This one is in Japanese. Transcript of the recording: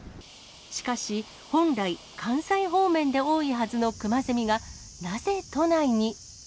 しかし、本来、関西方面で多いはずのクマゼミが、なぜ都内に？